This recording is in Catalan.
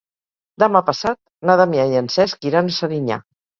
Demà passat na Damià i en Cesc iran a Serinyà.